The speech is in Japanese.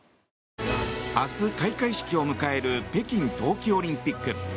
明日開会式を迎える北京冬季オリンピック。